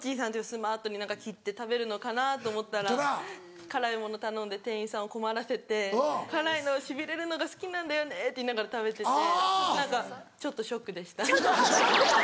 スマートに切って食べるのかなと思ったら辛いもの頼んで店員さんを困らせて辛いのを「しびれるのが好きなんだよね」って言いながら食べてて何かちょっとショックでした。